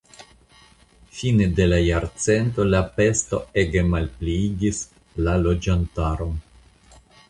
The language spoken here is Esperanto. Fine de la jarcento la pesto ege malpliigis la loĝantaron.